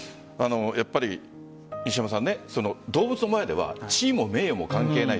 やっぱり動物の前では地位も名誉も関係ない。